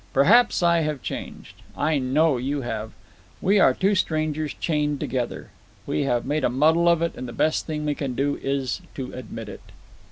Perhaps I have changed. I know you have. We are two strangers chained together. We have made a muddle of it, and the best thing we can do is to admit it.